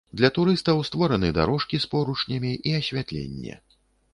Для турыстаў створаны дарожкі з поручнямі і асвятленне.